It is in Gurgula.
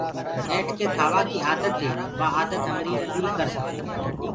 ٻيٺ ڪي کآوائي آدتي وآ آدت همريٚ پوريٚ ڪرسآنٚ۔